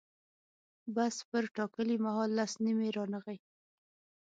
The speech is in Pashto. بس پر ټاکلي مهال لس نیمې رانغی.